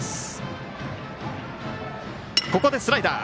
ここでスライダー。